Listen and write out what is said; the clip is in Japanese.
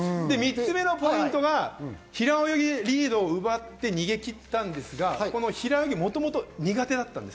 それのポイントが平泳ぎでリードを奪って逃げ切ったんですが、この平泳ぎ、もともと苦手だったんです。